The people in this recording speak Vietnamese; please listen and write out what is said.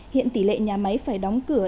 hiện tỷ lệ nhà máy phải đóng cửa